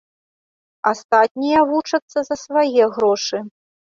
Астатнія вучацца за свае грошы.